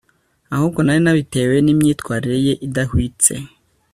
ahubwo nari nabitewe nimyitwarire ye idahwitse